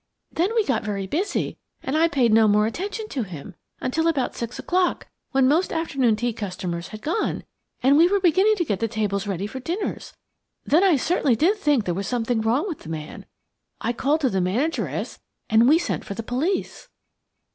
Then we got very busy, and I paid no more attention to him, until about six o'clock, when most afternoon tea customers had gone, and we were beginning to get the tables ready for dinners. Then I certainly did think there was something wrong with the man. I called to the manageress, and we sent for the police."